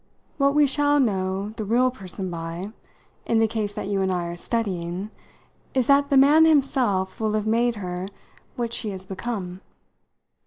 What we shall know the real person by, in the case that you and I are studying, is that the man himself will have made her what she has become.